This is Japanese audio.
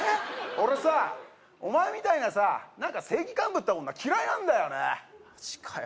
俺さお前みたいなさ正義感ぶった女嫌いなんだよねマジかよ